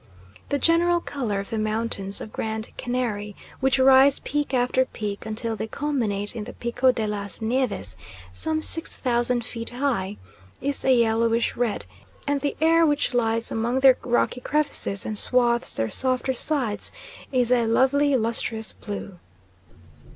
The general colour of the mountains of Grand Canary, which rise peak after peak until they culminate in the Pico de las Nieves, some 6,000 feet high, is a yellowish red, and the air which lies among their rocky crevices and swathes their softer sides is a lovely lustrous blue.